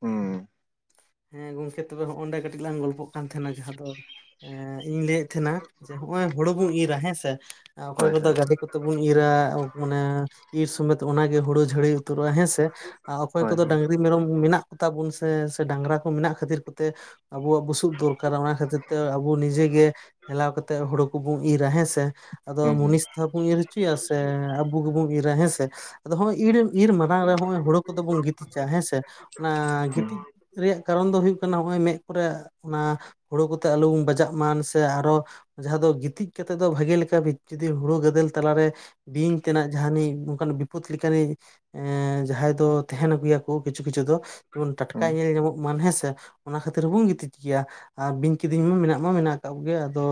ᱦᱩᱸ ᱦᱮᱸ ᱜᱚᱝᱠᱮ ᱛᱚᱵᱮ ᱦᱚᱸᱜᱼᱚᱱᱰᱮ ᱠᱟᱹᱴᱤᱡ ᱞᱟᱝ ᱜᱚᱞᱯᱚᱜ ᱠᱟᱱ ᱛᱟᱦᱮᱱᱟ ᱡᱟᱦᱟᱸ ᱫᱚ ᱤᱧ ᱞᱟᱹᱭᱮᱫ ᱛᱟᱦᱮᱱᱟ ᱡᱮ ᱦᱚᱜᱼᱚᱭ ᱦᱳᱲᱳ ᱵᱚᱱ ᱤᱨᱟ ᱦᱮᱸᱥᱮ ᱚᱠᱚᱭ ᱦᱳᱭ ᱠᱚᱫᱚ ᱦᱳᱭ [inaudible] ᱠᱚᱛᱮ ᱵᱚᱱ ᱤᱨᱟ ᱢᱟᱱᱮ ᱤᱨ ᱥᱚᱢᱮᱛ ᱚᱱᱟᱜᱮ ᱦᱳᱲᱳ ᱡᱷᱟᱹᱲᱤ ᱦᱮᱸ ᱥᱮ ᱚᱠᱚᱭ ᱦᱳᱭ ᱦᱳᱭ ᱠᱚᱫᱚ ᱦᱩᱸ [unintelligible] ᱢᱮᱨᱚᱢ ᱢᱮᱱᱟᱜ ᱠᱚᱛᱟ ᱵᱚᱱ ᱥᱮ ᱥᱮ ᱰᱟᱝᱨᱟ ᱠᱚ ᱢᱮᱱᱟᱜ ᱠᱷᱟᱹᱛᱤᱨ ᱠᱚᱛᱮ ᱟᱵᱚᱣᱟᱜ ᱵᱩᱥᱩᱜ ᱫᱚᱨᱠᱟᱨᱟ ᱚᱱᱟ ᱠᱷᱟᱹᱛᱤᱨ ᱛᱮ ᱟᱵᱚ ᱱᱤᱡᱮᱜᱮ ᱦᱮᱞᱟᱣ ᱠᱟᱛᱮᱜ ᱦᱳᱲᱳ ᱠᱚᱵᱚᱱ ᱤᱨᱟ ᱦᱮᱸᱥᱮ ᱟᱫᱚ ᱦᱩᱸ ᱢᱩᱱᱤᱥ ᱛᱮᱦᱚᱸ ᱵᱚᱱ ᱤᱨ ᱦᱚᱪᱚᱭᱟ ᱥᱮ ᱟᱵᱚ ᱜᱮᱵᱚᱱ ᱤᱨᱟ ᱦᱮᱸᱥᱮ ᱟᱫᱚ ᱦᱚᱜ-ᱚᱭ ᱤᱨ ᱤᱨ ᱢᱟᱲᱟᱝ ᱨᱮ ᱦᱚᱜᱼᱚᱭ ᱦᱳᱲᱳ ᱠᱚᱫᱚ ᱵᱚᱱ ᱜᱤᱛᱤᱡᱟ ᱦᱮᱸ ᱥᱮ ᱚᱱᱟ ᱦᱩᱸ ᱜᱤᱛᱤᱡ ᱨᱮᱭᱟᱜ ᱠᱟᱨᱚᱱ ᱫᱚ ᱦᱳᱭᱳᱜ ᱠᱟᱱᱟ, ᱦᱚᱜ-ᱚᱭ ᱢᱮᱫ ᱠᱚᱨᱮ ᱚᱱᱟ ᱦᱳᱲᱳ ᱠᱚᱛᱮ ᱟᱞᱚ ᱵᱚᱱ ᱵᱟᱡᱟᱜ ᱢᱟ ᱥᱮ ᱟᱨᱚ ᱡᱟᱦᱟᱸ ᱫᱚ ᱜᱤᱛᱤᱡ ᱠᱟᱛᱮ ᱫᱚ ᱵᱷᱟᱜᱮ ᱞᱮᱠᱟ ᱡᱩᱫᱤ ᱦᱳᱲᱳ ᱜᱟᱫᱮᱞ ᱛᱟᱞᱟᱨᱮ ᱵᱤᱧ ᱛᱮᱱᱟᱜ ᱡᱟᱦᱟᱱᱤᱡ ᱚᱝᱠᱟᱱ ᱵᱤᱯᱚᱛ ᱞᱮᱠᱟᱱᱤᱡ ᱮ ᱡᱟᱦᱟᱸᱭ ᱫᱚ ᱛᱟᱦᱮᱱ ᱟᱹᱜᱩᱭᱟ ᱠᱤᱪᱷᱩ ᱠᱤᱪᱷᱩ ᱫᱚ ᱡᱮᱢᱚᱱ ᱴᱟᱴᱠᱟ ᱦᱩᱸ ᱧᱮᱞ ᱧᱟᱢᱚᱜ ᱢᱟ ᱦᱮᱸᱥᱮ ᱚᱱᱟ ᱠᱷᱟᱹᱛᱤᱨ ᱦᱚᱸᱵᱚᱱ ᱜᱤᱛᱤᱡ ᱜᱮᱭᱟ ᱟᱨ ᱵᱤᱧ ᱠᱤᱫᱤᱧ ᱢᱟ ᱢᱮᱱᱟᱜ ᱢᱟ ᱢᱮᱱᱟᱜ ᱠᱟᱜ ᱠᱚᱜᱮᱭᱟ ᱟᱫᱚ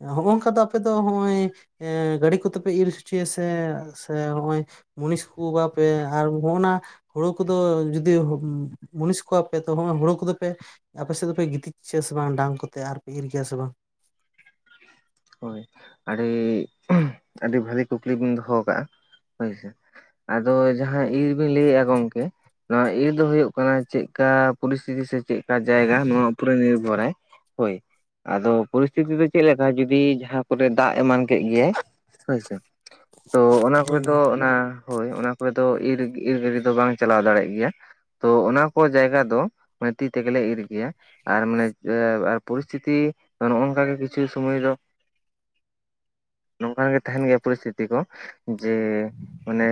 ᱦᱚᱜᱼᱚᱝᱠᱟ ᱫᱚ ᱟᱯᱮ ᱫᱚ ᱦᱚᱜᱼᱚᱭ ᱜᱟᱲᱤ ᱠᱚᱛᱮᱯᱮ ᱤᱨ ᱦᱚᱪᱚᱭᱟᱥᱮ ᱥᱮ ᱦᱚᱸᱜᱼᱚᱭ ᱢᱩᱱᱤᱥ ᱠᱚᱣᱟ ᱯᱮ ᱟᱨ ᱦᱚᱸᱜᱼᱚᱱᱟ ᱠᱚᱫᱚ ᱡᱩᱫᱤ ᱢᱩᱱᱤᱥ ᱠᱚᱣᱟᱯᱮ ᱛᱚ ᱦᱚᱜ-ᱚᱭ ᱦᱳᱲᱳ ᱠᱚᱫᱚ ᱯᱮ ᱟᱯᱮ ᱥᱮᱫ ᱫᱚᱯᱮ ᱜᱤᱛᱤᱡ ᱦᱚᱪᱚᱭᱟ ᱥᱮ ᱵᱟᱝ ᱰᱟᱝ ᱠᱚᱛᱮ ᱟᱨᱯᱮ ᱤᱨ ᱜᱮᱭᱟ ᱥᱮ ᱵᱟᱝ ᱦᱳᱭ ᱟᱹᱰᱤ, ᱟᱹᱰᱤ ᱵᱷᱟᱞᱮ ᱠᱩᱠᱞᱤ ᱵᱤᱱ ᱫᱚᱦᱚ ᱠᱟᱜᱼᱟ ᱦᱳᱭ ᱥᱮ ᱟᱫᱚ ᱡᱟᱦᱟᱸ ᱤᱨᱵᱤᱱ ᱞᱟᱹᱭᱮᱜᱼᱟ ᱜᱚᱢᱠᱮ ᱱᱚᱣᱟ ᱤᱭᱟᱹ ᱫᱚ ᱦᱳᱭᱳᱜ ᱠᱟᱱᱟ ᱪᱮᱫᱠᱟ ᱯᱚᱨᱤᱥᱛᱷᱤᱛᱤ ᱥᱮ ᱪᱮᱫᱠᱟ ᱡᱟᱭᱜᱟ ᱱᱚᱣᱟ ᱩᱯᱚᱨᱮ ᱱᱤᱨᱵᱷᱚᱨᱟᱭ ᱦᱳᱭ ᱟᱫᱚ ᱯᱚᱨᱤᱥᱛᱤᱛᱤ ᱫᱚ ᱪᱮᱫ ᱞᱮᱠᱟ ᱡᱚᱫᱤ ᱡᱟᱦᱟᱸ ᱠᱚᱨᱮ ᱫᱟᱜ ᱮᱢᱟᱱ ᱠᱮᱫ ᱜᱮᱭᱟᱭ ᱦᱳᱭᱥᱮ ᱛᱚ ᱚᱱᱟ ᱦᱳᱭ ᱠᱚᱨᱮ ᱫᱚ ᱜᱚᱝᱠᱮ᱾ ᱚᱱᱟ ᱦᱳᱭ ᱚᱱᱟ ᱠᱚᱨᱮ ᱫᱚ ᱤᱨ ᱤᱨ ᱜᱟᱹᱰᱤ ᱫᱚ ᱵᱟᱝ ᱪᱟᱞᱟᱣ ᱫᱟᱲᱮᱜ ᱜᱮᱭᱟ ᱛᱚ ᱚᱱᱟ ᱠᱚ ᱡᱟᱭᱜᱟ ᱫᱚ ᱛᱤ ᱛᱮᱜᱮ ᱞᱮ ᱤᱨ ᱜᱮᱭᱟ ᱟᱨ ᱢᱟᱱᱮ ᱯᱚᱨᱤᱥᱛᱷᱤᱛᱤ ᱱᱚᱜᱼᱚ ᱱᱚᱝᱠᱟᱜᱮ ᱠᱤᱪᱷᱩ ᱥᱚᱢᱚᱭ ᱫᱚ ᱱᱚᱝᱠᱟ ᱜᱮ ᱛᱟᱦᱮᱱ ᱜᱮᱭᱟ ᱯᱚᱨᱤᱥᱛᱷᱤᱛᱤ ᱠᱚ ᱡᱮ ᱚᱱᱮ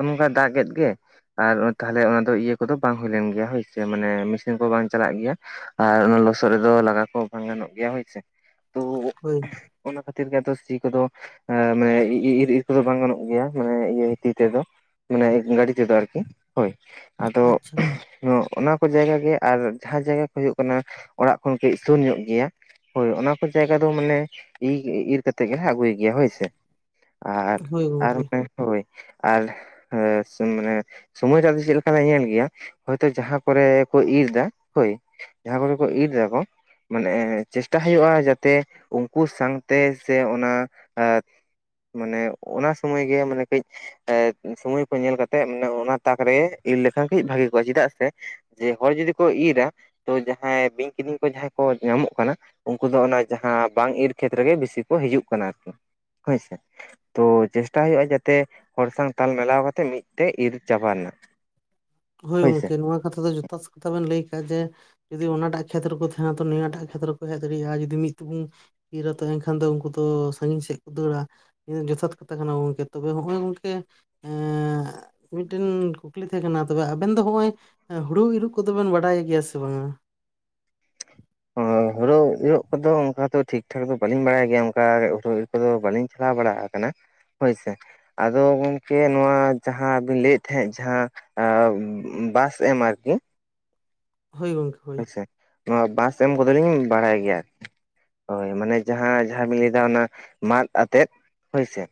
ᱚᱱᱠᱟ ᱫᱟᱜᱮᱫ ᱜᱮ ᱟᱨ ᱛᱟᱦᱚᱞᱮ ᱚᱱᱟ ᱫᱚ ᱤᱭᱟᱹ ᱠᱚᱫᱚ ᱵᱟᱝ ᱦᱩᱭ ᱞᱮᱱ ᱜᱮᱭᱟ ᱦᱳᱭᱥ ᱢᱟᱱᱮ ᱢᱮᱥᱤᱱ ᱠᱚ ᱵᱟᱝ ᱪᱟᱞᱟᱜ ᱜᱮᱭᱟ ᱟᱨ ᱚᱱᱟ ᱞᱚᱥᱚᱫ ᱨᱮᱫᱚ ᱞᱟᱜᱟ ᱠᱚ ᱵᱟᱝ ᱜᱟᱱᱚᱜ ᱜᱮᱭᱟ ᱦᱳᱭᱥᱮ ᱛᱚ ᱦᱳᱭ ᱚᱱᱟ ᱠᱷᱟᱹᱛᱤᱨ ᱜᱮ ᱟᱫᱚ ᱥᱤ ᱠᱚᱫᱚ ᱮ ᱢᱟᱱᱮ ᱤᱨ ᱤᱨ ᱠᱚᱫᱚ ᱵᱟᱝ ᱜᱟᱱᱚᱜ ᱜᱮᱭᱟ ᱢᱟᱱᱮ ᱤᱭᱟᱹ ᱛᱤ ᱛᱮᱫᱚ ᱢᱟᱱᱮ ᱜᱟᱹᱰᱤ ᱛᱮᱫᱚ ᱟᱨᱠᱤ ᱦᱳᱭ ᱟᱫᱚ, ᱟᱪᱪᱷᱟ ᱱᱚᱣᱟ ᱚᱱᱟ ᱠᱚ ᱡᱟᱭᱜᱟ ᱜᱮ ᱟᱨ ᱡᱟᱦᱟᱸ ᱡᱟᱭᱜᱟ ᱠᱚ ᱦᱳᱭᱳᱜ ᱠᱟᱱᱟ ᱚᱲᱟᱜ ᱠᱷᱚᱱ ᱠᱟᱹᱡ ᱥᱩᱨ ᱧᱚᱜ ᱜᱮᱭᱟ ᱦᱳᱭ ᱚᱱᱟ ᱠᱚ ᱡᱟᱭᱜᱟ ᱫᱚ ᱢᱟᱱᱮ ᱤᱨ ᱤᱨ ᱠᱟᱛᱮᱫ ᱜᱮᱞᱮ ᱟᱹᱜᱩᱭ ᱜᱮᱭᱟ ᱦᱳᱭ ᱥᱮ ᱟᱨ ᱦᱳᱭ ᱟᱨ ᱜᱚᱝᱠᱮ [unintelligible] ᱦᱳᱭ ᱟᱨ ᱦᱮᱸ ᱥᱮ ᱢᱟᱱᱮ ᱥᱚᱢᱚᱭ ᱨᱮ ᱟᱫᱚ ᱪᱮᱫ ᱞᱮᱠᱟ ᱞᱮ ᱧᱮᱞ ᱜᱮᱭᱟ ᱦᱚᱭᱛᱚ ᱡᱟᱦᱟᱸ ᱠᱚᱨᱮ ᱠᱚ ᱤᱨ ᱫᱟ ᱦᱳᱭ ᱡᱟᱦᱟᱸ ᱠᱚ ᱜᱮ ᱠᱚ ᱤᱨ ᱫᱟᱠᱚ ᱢᱟᱱᱮ ᱪᱮᱥᱴᱟ ᱦᱩᱭᱩᱜᱼᱟ ᱡᱟᱛᱮ ᱩᱱᱠᱩ ᱥᱟᱝᱛᱮ ᱥᱮ ᱚᱱᱟ ᱮ ᱢᱟᱱᱮ ᱚᱱᱟ ᱥᱳᱢᱳᱭ ᱜᱮ ᱢᱟᱱᱮ ᱠᱟᱹᱡ ᱥᱳᱢᱳᱭ ᱠᱚ ᱧᱮᱞ ᱠᱟᱛᱮᱜ ᱚᱱᱟ ᱛᱟᱠ ᱨᱮ ᱤᱨ ᱞᱮᱠᱷᱟᱱ ᱠᱟᱹᱡ ᱵᱷᱟᱹᱜᱮ ᱠᱚᱜᱼᱟ ᱪᱮᱫᱟᱜ ᱥᱮ ᱡᱮ ᱦᱚᱲ ᱡᱩᱫᱤ ᱠᱚ ᱤᱨᱟ ᱛᱚ ᱡᱟᱦᱟᱸᱭ ᱵᱤᱧ ᱠᱤᱫᱤᱧ ᱠᱚ ᱡᱟᱦᱟᱸᱭ ᱠᱚ ᱧᱟᱢᱚᱜ ᱠᱟᱱᱟ ᱩᱱᱠᱩ ᱫᱚ ᱚᱱᱟ ᱡᱟᱦᱟᱸ ᱵᱟᱝ ᱤᱨ ᱠᱷᱮᱛ ᱨᱮ ᱜᱮ ᱵᱮᱥᱤ ᱠᱚ ᱦᱤᱡᱩᱜ ᱠᱟᱱᱟ ᱟᱨᱠᱤ ᱦᱳᱭᱥᱮ ᱛᱚ ᱪᱮᱥᱴᱟ ᱦᱳᱭᱳᱜᱼᱟ ᱡᱟᱛᱮ ᱦᱚᱲ ᱥᱟᱝ ᱛᱟᱞ ᱢᱮᱞᱟᱣ ᱠᱟᱛᱮ ᱢᱤᱫ ᱛᱮ ᱤᱨ ᱪᱟᱵᱟ ᱨᱮᱱᱟᱜ [inaudible] ᱦᱳᱭ ᱦᱳᱭᱥᱮ ᱜᱚᱝᱠᱮ ᱱᱚᱣᱟ ᱠᱟᱛᱷᱟ ᱫᱚ ᱡᱚᱛᱷᱟᱛ ᱠᱟᱛᱷᱟ ᱵᱮᱱ ᱞᱟᱹᱭ ᱠᱟᱜᱼᱟ ᱡᱮ ᱡᱩᱫᱤ ᱚᱱᱟᱴᱟᱜ ᱠᱷᱮᱛ ᱨᱮᱠᱚ ᱛᱟᱦᱮᱱᱟ ᱛᱚ ᱱᱤᱭᱟᱹᱴᱟᱜ ᱠᱷᱮᱛᱨᱮ ᱨᱮᱠᱚ ᱦᱮᱡ ᱫᱟᱲᱮᱭᱟᱜᱼᱟ ᱡᱩᱫᱤ ᱢᱤᱫ ᱛᱮ ᱵᱩᱱ ᱤᱨᱟ ᱛᱟᱦᱮᱱ ᱠᱷᱟᱱ ᱫᱚ ᱩᱱᱠᱩ ᱫᱚ ᱥᱟᱺᱜᱤᱧ ᱥᱮᱫ ᱠᱚ ᱫᱟᱹᱲᱟ ᱡᱚᱛᱷᱟᱛ ᱠᱟᱛᱷᱟ ᱠᱟᱱᱟ ᱜᱚᱝᱠᱮ ᱛᱚᱵᱮ ᱦᱚᱜᱼᱚᱭ ᱜᱚᱝᱠᱮ ᱮ ᱢᱤᱫᱴᱮᱱ ᱠᱩᱠᱞᱤ ᱛᱟᱦᱮᱸ ᱠᱟᱱᱟ ᱛᱚᱵᱮ ᱟᱵᱮᱱ ᱫᱚ ᱦᱚᱜ-ᱚᱭ ᱦᱩᱲᱩ ᱤᱨᱚᱜ ᱠᱚᱫᱚᱵᱮᱱ ᱵᱟᱰᱟᱭ ᱜᱮᱭᱟ ᱥᱮ ᱵᱟᱝᱟ ᱦᱳᱲᱳ ᱤᱨᱚᱜ ᱠᱚᱫᱚ ᱚᱱᱠᱟ ᱫᱚ ᱴᱷᱤᱠ ᱴᱷᱟᱠ ᱫᱚ ᱵᱟᱹᱞᱤᱧ ᱵᱟᱲᱟᱭ ᱜᱮᱭᱟ ᱚᱱᱠᱟ ᱦᱳᱲᱳ ᱟᱫᱚ ᱵᱟᱹᱞᱤᱧ ᱪᱟᱞᱟᱣ ᱵᱟᱲᱟ ᱟᱠᱟᱱᱟ ᱦᱳᱭᱥᱮ ᱟᱫᱚ ᱜᱚᱢᱠᱮ ᱱᱚᱣᱟ ᱡᱟᱦᱟᱸ ᱵᱤᱱ ᱞᱟᱹᱭᱮᱫ ᱛᱟᱦᱮᱸᱫ ᱡᱟᱦᱟᱸ ᱵᱟᱥ ᱮᱢ ᱟᱨᱠᱤ ᱦᱳᱭ ᱜᱚᱝᱠᱮ ᱦᱳᱭ ᱦᱳᱭᱥᱮ ᱱᱚᱣᱟ ᱵᱟᱥ ᱮᱢ ᱠᱚᱫᱚᱞᱤᱧ ᱵᱟᱲᱟᱭ ᱜᱮᱭᱟ ᱟᱨᱠᱤ ᱦᱳᱭ ᱢᱟᱱᱮ ᱡᱟᱦᱟᱸ ᱡᱟᱦᱟᱸ ᱵᱤᱱ ᱞᱟᱹᱭ ᱫᱟᱲᱟ ᱚᱱᱟ ᱢᱟᱫ ᱟᱛᱮᱫ ᱦᱳᱭᱥᱮ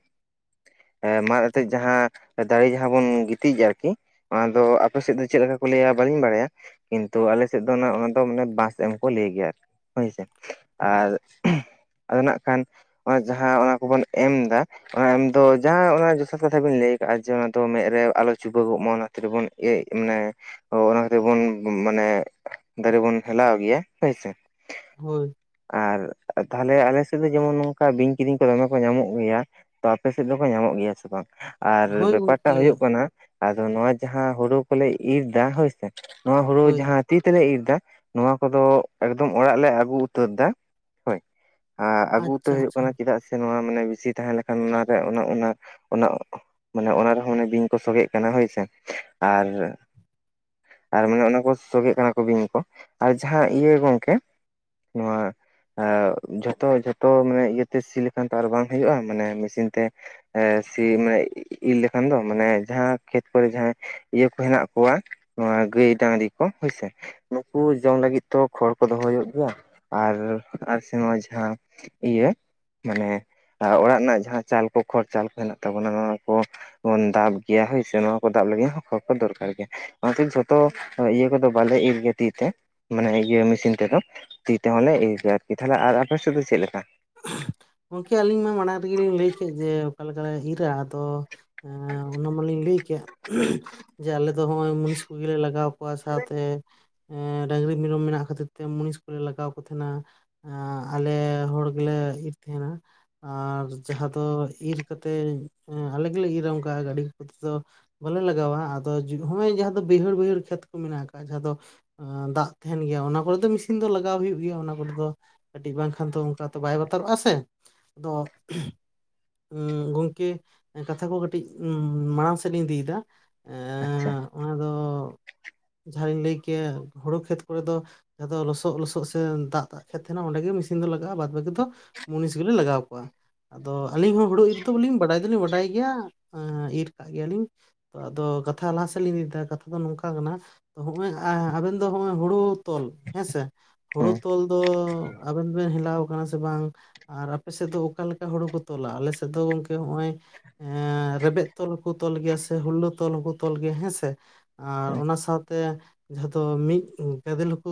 ᱢᱟᱫ ᱟᱛᱮᱜ ᱡᱟᱦᱟᱸ ᱫᱟᱨᱮ ᱡᱟᱦᱟᱸ ᱵᱚᱱ ᱜᱤᱛᱤᱡ-ᱟ ᱟᱨᱠᱤ ᱚᱱᱟᱫᱚ ᱟᱯᱮ ᱥᱮᱫ ᱫᱚ ᱪᱮᱫ ᱞᱮᱠᱟ ᱠᱚ ᱞᱟᱹᱭᱟ ᱵᱟᱹᱞᱤᱧ ᱵᱟᱲᱟᱭᱟ ᱠᱤᱱᱛᱩ ᱟᱞᱮ ᱥᱮᱫ ᱫᱚ ᱚᱱᱟ ᱫᱚ ᱢᱟᱱᱮ ᱵᱟᱸᱥ ᱮᱢ ᱠᱚ ᱞᱟᱹᱭ ᱜᱮᱭᱟ ᱟᱨᱠᱤ ᱦᱳᱭᱥᱮ ᱟᱨ ᱟᱫᱚ ᱱᱟᱜ ᱠᱷᱟᱱ ᱚᱱᱟ ᱡᱟᱦᱟᱸ ᱚᱱᱟ ᱠᱚᱵᱚᱱ ᱮᱢ ᱫᱟ ᱚᱱᱟ ᱮᱢ ᱫᱚ ᱡᱟᱦᱟᱸ ᱚᱱᱟ ᱡᱚᱛᱷᱟᱛ ᱠᱟᱛᱷᱟ ᱵᱤᱱ ᱞᱟᱹᱭ ᱟᱠᱟᱜᱼᱟ ᱡᱮ ᱚᱱᱟ ᱫᱚ ᱢᱮᱫ ᱨᱮ ᱟᱞᱚ ᱪᱩᱵᱟᱹᱜᱚᱜ ᱢᱟ ᱚᱱᱟ ᱠᱷᱟᱛᱤᱨ ᱢᱟᱱᱮ ᱚᱱᱟ ᱠᱷᱟᱹᱛᱤᱨ ᱵᱚᱱ ᱢᱟᱱᱮ ᱫᱟᱨᱮ ᱵᱚᱱ ᱦᱮᱞᱟᱣ ᱜᱮᱭᱟ ᱦᱳᱭ ᱥᱮ ᱦᱳᱭ ᱟᱨ ᱛᱟᱦᱚᱞᱮ ᱟᱞᱮ ᱥᱮᱫ ᱫᱚ ᱡᱮᱢᱚᱱ ᱱᱚᱝᱠᱟ ᱵᱤᱧ ᱠᱤᱫᱤᱧ ᱠᱚ ᱫᱚᱢᱮ ᱠᱚ ᱧᱟᱢᱚᱜ ᱜᱮᱭᱟ ᱛᱚ ᱟᱯᱮ ᱥᱮᱫ ᱫᱚᱠᱚ ᱧᱟᱢᱚᱜ ᱜᱮᱭᱟ ᱥᱮ ᱵᱟᱝ ᱟᱨ ᱦᱳᱭ ᱜᱚᱝᱠᱮ ᱵᱮᱯᱟᱨᱴᱟᱜ ᱦᱳᱭᱳᱜ ᱠᱟᱱᱟ ᱟᱫᱚ ᱱᱚᱣᱟ ᱡᱟᱦᱟᱸ ᱦᱳᱲᱳ ᱠᱚᱞᱮ ᱤᱨ ᱫᱟ ᱦᱳᱭᱥᱮ ᱱᱚᱣᱟ ᱦᱳᱲᱳ ᱦᱳᱭ ᱡᱟᱦᱟᱸ ᱛᱤ ᱛᱮᱞᱮ ᱤᱨ ᱫᱟ ᱱᱚᱣᱟ ᱠᱚᱫᱚ ᱮᱠᱫᱚᱢ ᱚᱲᱟᱜ ᱞᱮ ᱟᱹᱜᱩ ᱩᱛᱟᱹᱨ ᱮᱫᱟ ᱦᱳᱭ ᱟᱹᱜᱩ ᱩᱛᱟᱹᱨ ᱟᱪᱪᱷᱟ ᱦᱩᱭᱩᱜ ᱟᱪᱪᱷᱟ ᱠᱟᱱᱟ ᱪᱮᱫᱟᱜ ᱥᱮ ᱱᱚᱣᱟ ᱢᱟᱱᱮ ᱵᱮᱥᱤ ᱛᱟᱦᱮᱸ ᱞᱮᱱᱠᱷᱟᱱ ᱚᱱᱟᱨᱮ ᱚᱱᱟ ᱚᱱᱟ ᱢᱟᱱᱮ ᱚᱱᱟ ᱨᱮᱦᱚᱸ ᱚᱱᱮ ᱵᱤᱧ ᱠᱚ ᱥᱚᱜᱮᱜ ᱠᱟᱱᱟ ᱦᱳᱭᱥᱮ ᱟᱨ ᱟᱨ ᱢᱟᱱᱮ ᱚᱱᱟ ᱠᱚ ᱥᱚᱜᱮᱜ ᱠᱟᱱᱟ ᱠᱚ ᱵᱤᱧ ᱠᱚ ᱟᱨ ᱡᱟᱦᱟᱸ ᱤᱭᱟᱹ ᱜᱚᱢᱠᱮ ᱱᱚᱣᱟ ᱡᱷᱚᱛᱚ ᱡᱷᱚᱛᱚ ᱢᱟᱱᱮ ᱤᱭᱟᱹᱛᱮ ᱥᱤ ᱞᱮᱠᱷᱟᱱ ᱛᱚ ᱟᱨ ᱵᱟᱝ ᱦᱩᱭᱩᱜᱼᱟ ᱢᱟᱱᱮ ᱢᱮᱥᱤᱱ ᱛᱮ ᱥᱤ ᱢᱟᱱᱮ ᱤᱨ ᱞᱮᱠᱷᱟᱱ ᱫᱚ ᱢᱟᱱᱮ ᱡᱟᱦᱟᱸ ᱠᱷᱮᱛ ᱠᱚᱨᱮ ᱡᱟᱦᱟᱸᱟ ᱤᱭᱟᱹ ᱠᱚ ᱦᱮᱱᱟᱜ ᱠᱚᱣᱟ ᱱᱚᱣᱟ ᱜᱟᱹᱭ ᱰᱟᱝᱨᱤ ᱠᱚ ᱥᱮ ᱱᱩᱠᱩ ᱡᱚᱢ ᱞᱟᱹᱜᱤᱫ ᱛᱚ ᱠᱷᱚᱲ ᱠᱚ ᱫᱚᱦᱚ ᱦᱩᱭᱩᱜ ᱜᱮᱭᱟ ᱟᱨ ᱟᱨ ᱥᱮ ᱱᱚᱣᱟᱜ ᱡᱟᱦᱟᱸ ᱤᱭᱟᱹ ᱢᱟᱱᱮ ᱚᱲᱟᱜ ᱨᱮᱱᱟᱜ ᱡᱟᱦᱟᱸ ᱪᱟᱞ ᱠᱚ ᱠᱷᱚᱲ ᱪᱟᱞ ᱠᱚ ᱦᱮᱱᱟᱜ ᱛᱟᱵᱚᱱᱟ ᱱᱚᱣᱟ ᱠᱚ ᱫᱟᱵ ᱜᱮᱭᱟ ᱦᱳᱭ ᱥᱮ ᱱᱚᱣᱟ ᱠᱚ ᱫᱟᱵ ᱞᱟᱹᱜᱤᱫ ᱦᱚᱸ ᱠᱷ ᱠᱚ ᱫᱚᱨᱠᱟᱨ ᱜᱮᱭᱟ ᱚᱱᱟᱛᱮ ᱡᱷᱚᱛᱚ ᱤᱭᱟᱹ ᱠᱚᱫᱚ ᱵᱟᱞᱮ ᱤᱨ ᱜᱮᱭᱟ ᱛᱤ ᱛᱮ ᱢᱟᱱᱮ ᱤᱭᱟᱹ ᱢᱮᱥᱤᱱ ᱛᱮᱫᱚ ᱛᱤ ᱛᱮᱦᱚᱸᱞᱮ ᱤᱨ ᱟᱨᱠᱤ ᱛᱟᱦᱮ ᱟᱨ ᱟᱯᱮ ᱥᱮᱫ ᱫᱚ ᱪᱮᱫ ᱞᱮᱠᱟ ᱜᱚᱢᱠᱮ ᱟᱹᱞᱤᱧ ᱢᱟ ᱢᱟᱲᱟᱝ ᱨᱮᱜᱮᱞᱤᱧ ᱞᱟᱹᱭ ᱠᱮᱫ ᱡᱮ ᱚᱠᱟ ᱞᱮᱠᱟᱞᱮ ᱤᱨ ᱟ ᱟᱫᱚ ᱮᱸ ᱟ [unintelligible] ᱚᱱᱟ ᱢᱟᱞᱤᱧ ᱞᱟᱹᱭ ᱠᱮᱫᱮᱜ ᱡᱮ ᱟᱞᱮ ᱫᱚ ᱱᱚᱜ ᱢᱩᱱᱤᱥ ᱠᱚᱜᱮᱞᱮ ᱞᱟᱜᱟᱣ ᱠᱚᱣᱟ ᱥᱟᱶᱛᱮ ᱰᱟᱝᱨᱤ ᱢᱮᱨᱚᱢ ᱢᱮᱱᱟᱜ ᱠᱷᱟᱹᱛᱤᱨ ᱛᱮ ᱢᱩᱱᱤᱥ ᱠᱚᱞᱮ ᱞᱟᱜᱟᱣ ᱠᱚ ᱛᱟᱦᱮᱸᱱᱟ ᱟᱞᱮ ᱦᱚᱲ ᱜᱮᱞᱮ ᱤᱨ ᱛᱟᱦᱟᱱᱟ ᱟᱨ ᱡᱟᱦᱟᱸ ᱫᱚ ᱤᱨ ᱠᱟᱛᱮᱫ ᱟᱞᱮ ᱜᱮᱞᱮ ᱤᱨᱟᱢ ᱠᱟᱜᱼᱟ ᱜᱟᱹᱰᱤ ᱠᱚ ᱛᱮᱫ ᱫᱚ ᱵᱟᱞᱮ ᱞᱟᱜᱟᱣᱟ ᱟᱫᱚ ᱦᱚᱸᱜᱼᱚᱭ ᱡᱟᱦᱟᱸ ᱫᱚ ᱵᱟᱹᱭᱦᱟᱹᱲ ᱵᱟᱹᱭᱦᱟᱹᱲ ᱠᱷᱮᱛ ᱠᱚ ᱢᱮᱱᱟᱜ ᱟᱠᱟᱫ ᱡᱟᱦᱟᱸ ᱫᱚ ᱫᱟᱜ ᱛᱟᱦᱮᱱ ᱜᱮᱭᱟ ᱚᱱᱟ ᱠᱚᱨᱮ ᱫᱚ ᱢᱮᱥᱤᱱ ᱫᱚ ᱞᱟᱜᱟᱣ ᱦᱩᱭᱩᱜ ᱜᱮᱭᱟ ᱚᱱᱟ ᱠᱚᱨᱮ ᱫᱚ ᱠᱟᱹᱴᱤᱡ ᱵᱟᱝᱠᱷᱟᱱ ᱫᱚ ᱚᱱᱠᱟᱛᱮ ᱵᱟᱭ ᱵᱟᱛᱟᱨᱚᱜᱼᱟ ᱥᱮ ᱟᱫᱚ ᱜᱚᱢᱠᱮ ᱠᱟᱛᱷᱟ ᱠᱚ ᱠᱟᱹᱴᱤᱡ ᱢᱟᱲᱟᱝ ᱥᱮᱫ ᱤᱧ ᱤᱫᱤᱭᱮᱫᱟ ᱟᱪᱪᱷᱟ ᱮᱸ ᱚᱱᱟ ᱫᱚ ᱡᱟᱦᱟᱸᱤᱧ ᱞᱟᱹᱭ ᱠᱮᱭᱟ ᱦᱩᱲᱩ ᱠᱷᱮᱛ ᱠᱚᱨᱮ ᱫᱚ ᱡᱟᱦᱟᱸ ᱫᱚ ᱞᱚᱥᱚᱜ ᱞᱚᱥᱚᱫ ᱥᱮ ᱫᱟᱜ ᱫᱟᱜ ᱠᱷᱮᱫ ᱛᱟᱦᱮᱱᱟ ᱚᱸᱰᱮ ᱜᱮ ᱢᱮᱥᱤᱱ ᱫᱚ ᱞᱟᱜᱟᱜᱼᱟ ᱵᱟ ᱵᱷᱟᱠᱤ ᱢᱩᱱᱤᱥ ᱜᱮᱞᱮ ᱞᱟᱜᱟᱣ ᱠᱚᱣᱟ ᱟᱫᱚ ᱟᱞᱤᱧ ᱦᱚᱸ ᱦᱩᱲᱩ ᱤᱨ ᱨᱮᱫᱚᱧ ᱵᱟᱰᱟᱭ ᱟᱧ ᱵᱟᱰᱟᱭ ᱜᱮᱭᱟ ᱤᱨ ᱠᱟᱜ ᱜᱮᱭᱟᱞᱤᱧ ᱟᱫᱚ ᱠᱟᱛᱷᱟ ᱞᱟᱦᱟ ᱥᱮᱫ ᱞᱤᱧ ᱞᱟᱹᱭᱫᱟ ᱠᱟᱛᱷᱟ ᱫᱚ ᱱᱚᱝᱠᱟ ᱠᱟᱱᱟ ᱦᱚᱸᱜᱼᱚᱭ ᱟᱵᱮᱱ ᱫᱚᱜᱚᱭ ᱦᱩᱲᱩ ᱛᱚᱞ ᱦᱮᱸᱥᱮ ᱦᱳᱲᱩ ᱦᱩᱸ ᱛᱚᱞ ᱫᱚ ᱟᱵᱮᱱ ᱵᱮᱱ ᱦᱮᱞᱟᱣ ᱠᱟᱱᱟ ᱥᱮ ᱵᱟᱝ ᱟᱨ ᱟᱯᱮ ᱥᱮᱫ ᱫᱚ ᱚᱠᱟᱞᱮᱠᱟ ᱦᱩᱲᱩ ᱠᱚ ᱛᱚᱞᱟ ᱟᱞᱮ ᱥᱮᱫ ᱫᱚ ᱜᱚᱝᱠᱮ ᱱᱚᱜᱼᱚᱭ ᱮᱸ ᱨᱮᱵᱮᱫ ᱛᱚᱞ ᱦᱚᱸᱠᱚ ᱛᱚᱞ ᱜᱮᱭᱟ ᱥᱮ ᱦᱩᱞᱟᱹ ᱛᱚᱞ ᱦᱚᱸᱠᱚ ᱛᱚᱞ ᱜᱮᱭᱟ ᱦᱮᱸᱥᱮ ᱟᱨ ᱦᱩᱸ ᱚᱱᱟ ᱥᱟᱶᱛᱮ ᱡᱟᱦᱟᱸ ᱫᱚ ᱢᱤᱫ ᱜᱟᱫᱮᱞ ᱦᱚᱸᱠᱚ